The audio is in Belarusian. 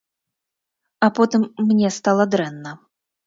А потым мне стала дрэнна.